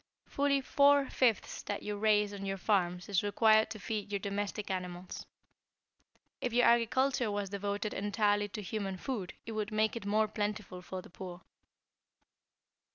Fully four fifths that you raise on your farms is required to feed your domestic animals. If your agriculture was devoted entirely to human food, it would make it more plentiful for the poor."